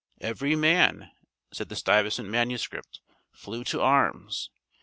"Every man," said the Stuyvesant manuscript, "flew to arms!"